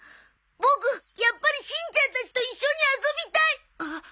ボクやっぱりしんちゃんたちと一緒に遊びたい！